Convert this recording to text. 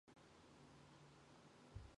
Үүнийхээ хэрээр мөнгө ч их олсон.